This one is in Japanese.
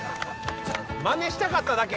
マネしたかっただけ。